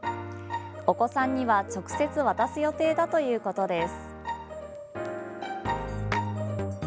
お子さんには直接渡す予定だということです。